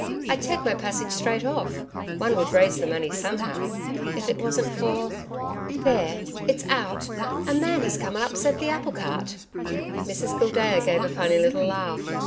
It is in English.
I'd take my passage straight off one would raise the money somehow if it wasn't for There! It's out. A MAN has come and upset the apple cart.' Mrs Gildea gave a funny little laugh.